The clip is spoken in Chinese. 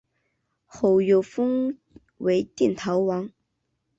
后又封为定陶王。